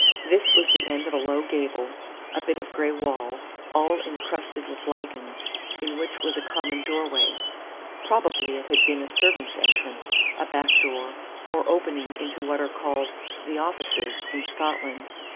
This was the end of a low gable, a bit of gray wall, all incrusted with lichens, in which was a common door way. Probably it had been a servants' entrance, a backdoor, or opening into what are called "the offices" in Scotland.